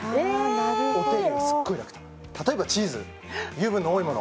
なるほどお手入れがすっごい楽と例えばチーズ油分の多いもの